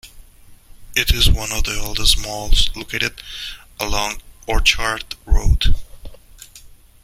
It is one of the oldest malls located along Orchard Road.